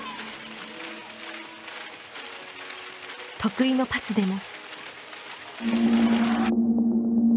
得意のパスでも。